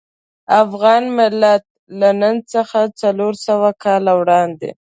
افغان ملت له نن څخه څلور سوه کاله وړاندې.